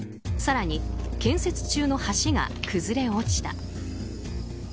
更に建設中の橋が崩れ落ちた。